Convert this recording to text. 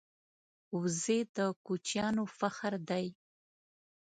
وزې د کوچیانو فخر دی